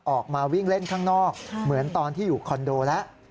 ออกมาวิ่งเล่นข้างนอกเหมือนตอนที่อยู่คอนโดแล้ว